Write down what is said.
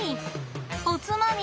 おつまみ！